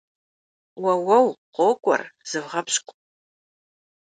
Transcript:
Уэуэу, къокӏуэр, зывгъэпщкӏу!